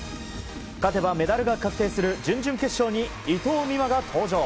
勝てばメダルが確定する準々決勝に伊藤美誠が登場。